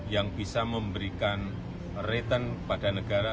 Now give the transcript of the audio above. yang bisa memberikan return pada negara